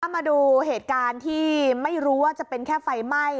มาดูเหตุการณ์ที่ไม่รู้ว่าจะเป็นแค่ไฟไหม้